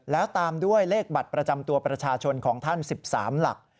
แล้วตามด้วยเลขบัตรประจำตัวประชาชนของท่าน๑๓หลัก